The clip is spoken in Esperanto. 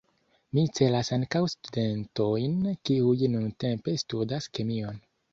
Mi celas ankaŭ studentojn kiuj nuntempe studas kemion.